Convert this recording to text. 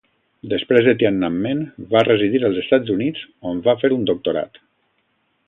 Després de Tiananmen va residir als Estats Units on va fer un doctorat.